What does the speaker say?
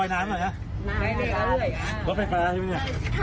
โอ้ยครับพอด้วย